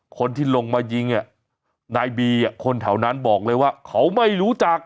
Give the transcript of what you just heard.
คนที่ลงมายิงนายบีคนแถวนั้นบอกเลยว่าเขาไม่รู้จัก